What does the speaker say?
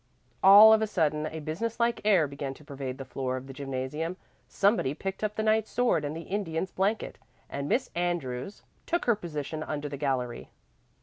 All of a sudden a businesslike air began to pervade the floor of the gymnasium. Somebody picked up the knight's sword and the Indian's blanket, and Miss Andrews took her position under the gallery.